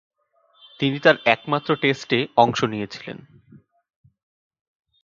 তিনি তার একমাত্র টেস্টে অংশ নিয়েছিলেন।